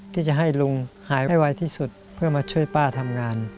ที่จะให้ลุงหายไวที่สุดเพื่อมาช่วยป้าทำงาน